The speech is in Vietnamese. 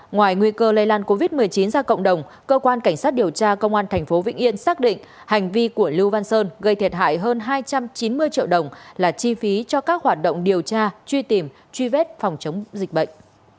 ngoài nguy cơ lây lan covid một mươi chín ra cộng đồng cơ quan cảnh sát điều tra công an tp vĩnh yên xác định hành vi của lưu văn sơn gây thiệt hại hơn hai trăm chín mươi triệu đồng là chi phí cho các hoạt động điều tra truy tìm truy vết phòng chống dịch bệnh